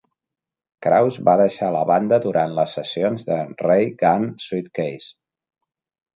Krauss va deixar la banda durant les sessions de "Ray Gun Suitcase".